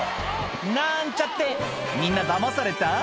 「なんちゃってみんなダマされた？」